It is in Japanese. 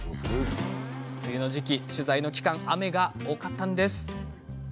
梅雨の期間、取材の期間、雨が多かったんです。